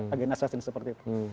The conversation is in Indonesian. agen asasin seperti itu